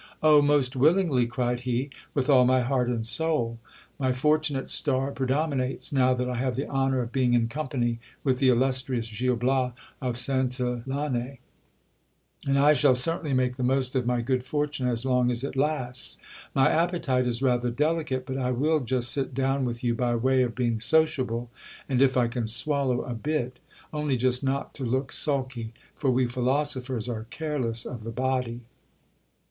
Oh ! most willingly, cried he : with all my heart and soul. My fortunate star pre dominates, now that I have the honour of being in company with the illustrious Gil Bias of Santillane, and I shall certainly make the most of my good fortune as long as it lasts. My appetite is rather delicate, but I will just sit down with you by way of being sociable, and if I can swallow a bit ! only just not to look sulky ; for we philosophers are careless of the body.